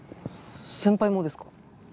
先輩もですか？